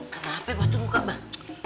kenapa itu muka mbak